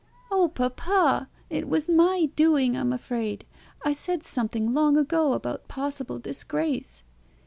"Oh, papa, it was my doing, I'm afraid. I said something long ago about possible disgrace."